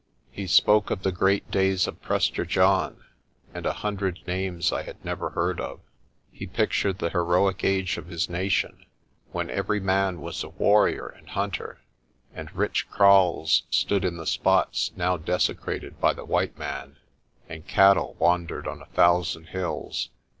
He spoke of the great days of Prester John, and a hun r dred names I had never heard of. He pictured the heroic age of his nation, when every man was a warrior and hunter, and rich kraals stood in the spots now desecrated by the white man, and cattle wandered on a thousand hills.